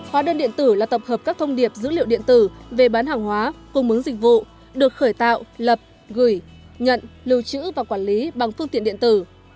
hóa đơn điện tử là tập hợp các thông điệp dữ liệu điện tử về bán hàng hóa cung mứng dịch vụ được khởi tạo lập gửi nhận lưu trữ và quản lý bằng phương tiện điện tử